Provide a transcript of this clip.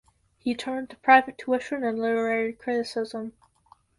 He turned to private tuition and literary criticism.